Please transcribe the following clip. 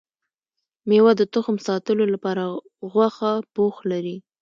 ميوه د تخم ساتلو لپاره غوښه پوښ لري